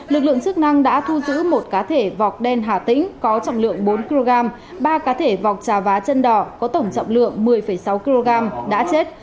lực lượng chức năng đã thu giữ một cá thể vọc đen hà tĩnh có trọng lượng bốn kg ba cá thể vọc trà vá chân đỏ có tổng trọng lượng một mươi sáu kg đã chết